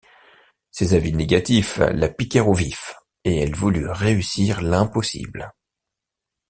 Ces avis négatifs la piquèrent au vif et elle voulut réussir l’impossible.